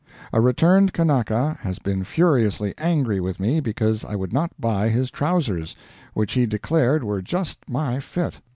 A returned Kanaka has been furiously angry with me because I would not buy his trousers, which he declared were just my fit.